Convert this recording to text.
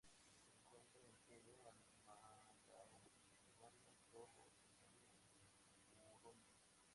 Se encuentra en Kenia, Malaui Ruanda, Togo, Tanzania y Burundi.